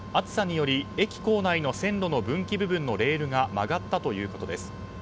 駅構内の線路の分岐部分のレールが曲がったということです。